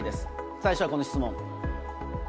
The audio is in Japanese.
最初はこの質問。